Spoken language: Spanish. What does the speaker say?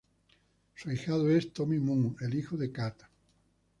Su ahijado es Tomy Moon, el hijo de Kat.